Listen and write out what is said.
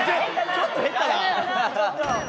ちょっと減ったな。